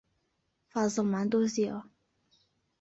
فازڵمان دۆزییەوە.